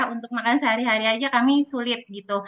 untuk makan sehari hari aja kami sulit